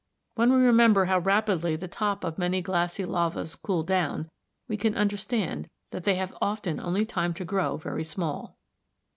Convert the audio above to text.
When we remember how rapidly the top of many glassy lavas cool down we can understand that they have often only time to grow very small.